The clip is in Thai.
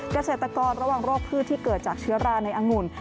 เกษตรกรระวังโรคพืชที่เกิดจากเชื้อราในอังุ่น